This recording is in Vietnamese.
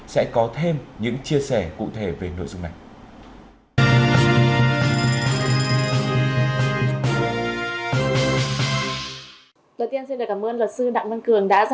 sẽ có thêm những chia sẻ cụ thể về nội dung này